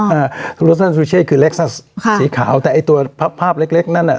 อ่าอ่าอ่ารถท่านสุรเชษฐ์คือเล็กซัสค่ะสีขาวแต่ไอ้ตัวภาพเล็กเล็กนั่นอ่ะ